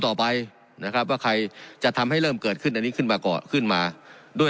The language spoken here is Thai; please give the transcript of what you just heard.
ต่อไปนะครับว่าใครจะทำให้เริ่มเกิดขึ้นอันนี้ขึ้นมาเกาะขึ้นมาด้วย